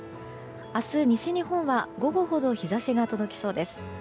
明日、西日本は午後ほど日差しが届きそうです。